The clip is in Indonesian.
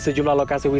seru kan anaknya